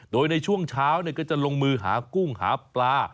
โดยในช่วงเช้าก็จะลงมือหากุ้งหาปลา